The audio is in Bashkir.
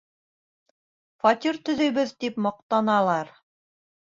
Фатир төҙөйбөҙ тип маҡтаналар.